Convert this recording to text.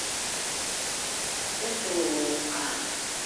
Бер генә минутҡа